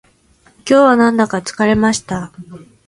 今日はなんだか疲れました